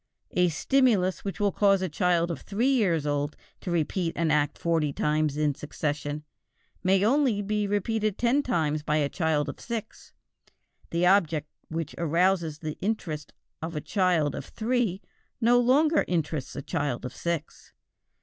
A stimulus which will cause a child of three years old to repeat an act forty times in succession, may only be repeated ten times by a child of six; the object which arouses the interest of a child of three no longer interests a child of six.